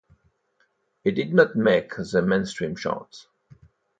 It did not make the mainstream charts.